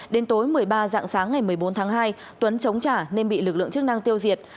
đến tối một mươi ba dạng sáng ngày một mươi bốn tháng hai tuấn chống trả nên bị lực lượng chức năng tiêu diệt